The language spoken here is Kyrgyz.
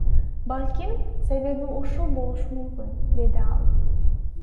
Балким, себеби ушул болушу мүмкүн, — деди ал.